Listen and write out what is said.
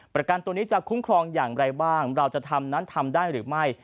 ประกันตัวนี้จะคุ้มครองอย่างไรบ้างเราจะทำนั้นทำได้หรือไม่